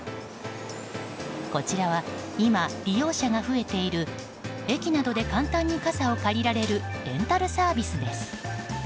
こちらは今、利用者が増えている駅などで簡単に傘を借りられるレンタルサービスです。